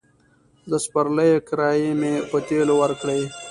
د سپرليو کرايې مې په تيلو ورکړې.